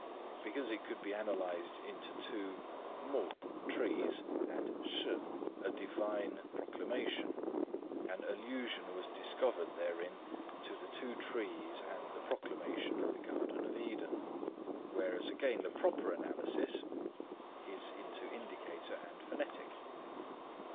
Because it could be analysed into two 木木 "trees" and 示 "a divine proclamation," an allusion was discovered therein to the two trees and the proclamation of the Garden of Eden; whereas again the proper analysis is into indicator and phonetic.